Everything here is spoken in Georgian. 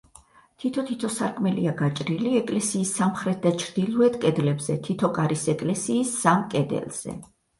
თითო-თითო სარკმელია გაჭრილი ეკლესიის სამხრეთ და ჩრდილოეთ კედლებზე, თითო კარის ეკლესიის სამ კედელზე.